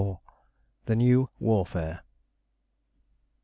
THE NEW WARFARE.